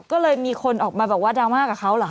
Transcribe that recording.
ก็เลยมีคนออกมาบอกว่าดราม่ากับเขาเหรอ